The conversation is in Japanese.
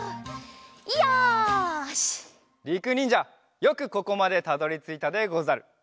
りくにんじゃよくここまでたどりついたでござる。